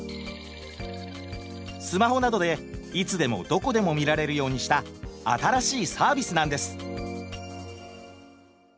スマホなどでいつでもどこでも見られるようにした新しいサービスなんです。